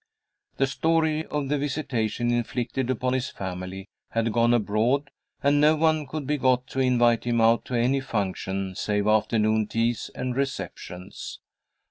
The story of the visitation inflicted upon his family had gone abroad, and no one could be got to invite him out to any function save afternoon teas and receptions.